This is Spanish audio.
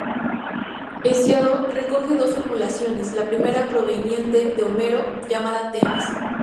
Hesíodo recoge dos formulaciones, la primera proveniente de Homero, llamada "Temis".